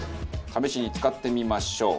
試しに使ってみましょう。